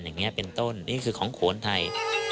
อย่างนี้เป็นต้นนี่คือของโขนไทย